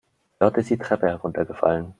Dörte ist die Treppe heruntergefallen.